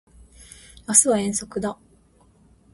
明日は遠足だ